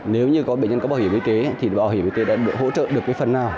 nếu như có bệnh nhân có bảo hiểm y tế thì bảo hiểm y tế đã hỗ trợ được cái phần nào